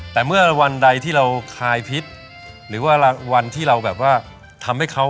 แต่เมื่อวันใดที่เราคายพิษหรือว่าวันที่เราแบบว่าทำให้เขา